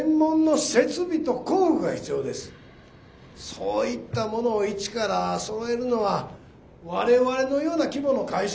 そういったものを一からそろえるのは我々のような規模の会社では大変です。